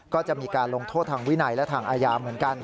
ก็จะมีการลงโทษทางวินัยและทางอาญาเหมือนกัน